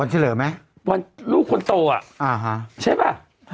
วันเฉลิมไหมวันลูกคนโตอ่ะใช่ไหม